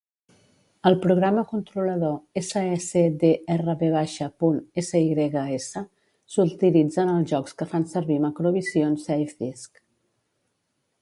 El programa controlador, secdrv.sys, s'utilitza en els jocs que fan servir Macrovision SafeDisc.